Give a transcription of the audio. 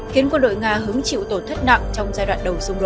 khiến quân đội nga hứng chịu tổn thất nặng trong giai đoạn đầu dung